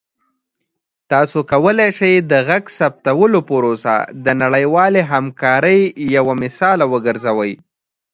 تاسو کولی شئ د غږ ثبتولو پروسه د نړیوالې همکارۍ یوه مثاله وګرځوئ.